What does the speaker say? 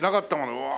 うわ。